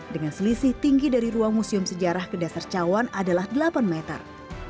dengan selisih tinggi dari ruang museum sejarah ke dasar cawan adalah delapan meter